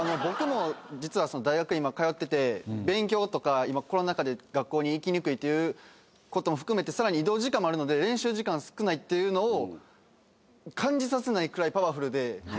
僕も実は大学今通ってて勉強とか今コロナ禍で学校に行きにくいってのも含めてさらに移動時間もあるので練習時間少ないっていうのを感じさせないくらいパワフルで。